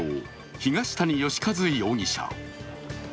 ・東谷義和容疑者。